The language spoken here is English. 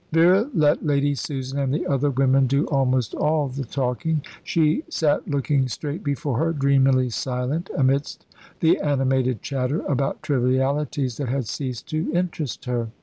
Vera let Lady Susan and the other women do almost all the talking. She sat looking straight before her, dreamily silent, amidst the animated chatter about trivialities that had ceased to interest her.